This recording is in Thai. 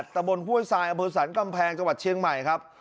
ตะบนห้วยทรายอำเภอสรรกำแพงจังหวัดเชียงใหม่ครับ